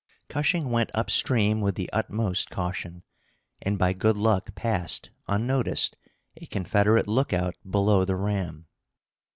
Cushing went up stream with the utmost caution, and by good luck passed, unnoticed, a Confederate lookout below the ram.